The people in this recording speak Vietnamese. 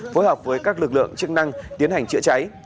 phối hợp với các lực lượng chức năng tiến hành chữa cháy